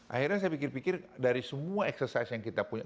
akhirnya saya pikir pikir dari semua eksersis yang kita punya